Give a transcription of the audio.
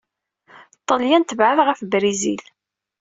Ṭṭalyan tebɛed ɣef Brizil.